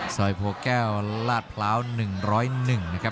ซอยโพแก้วลาดพร้าว๑๐๑นะครับ